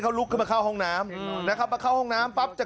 เขาลุกขึ้นมาเข้าห้องน้ำนะครับมาเข้าห้องน้ำปั๊บจะ